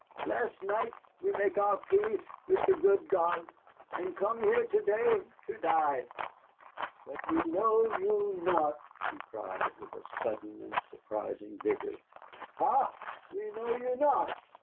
Last night we make our peace with the good God, and come here to day to die. But we know you not," he cried, with a sudden and surprising vigor; "ha, we know you not!